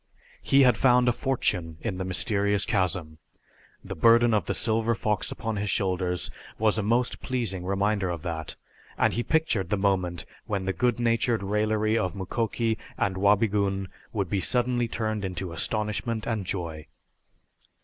He had found a fortune in the mysterious chasm. The burden of the silver fox upon his shoulders was a most pleasing reminder of that, and he pictured the moment when the good natured raillery of Mukoki and Wabigoon would be suddenly turned into astonishment and joy.